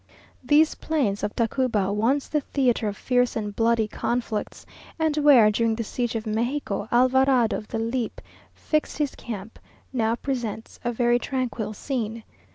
These plains of Tacuba, once the theatre of fierce and bloody conflicts, and where, during the siege of Mexico, Alvarado of the Leap fixed his camp, now present a very tranquil scene.